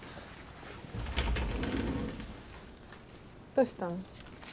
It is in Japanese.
どうしたの？